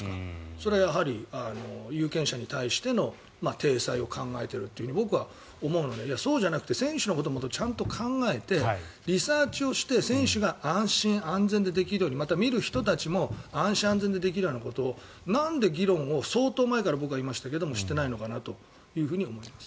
それはやはり有権者に対しての体裁を考えているというふうに僕は思うのでいや、そうじゃなくて選手のことをもっとちゃんと考えてリサーチをして選手が安心安全でできるようにまた、見る人たちも安心安全でできるようなことをなんで議論を相当前から僕は言いましたけどしていないのかなと思います。